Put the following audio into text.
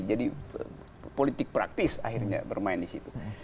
jadi politik praktis akhirnya bermain di situ